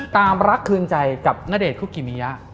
รักคืนใจกับณเดชนคุกิมิยะ